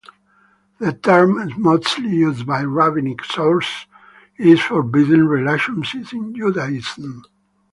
The term mostly used by rabbinic sources is forbidden relationships in Judaism.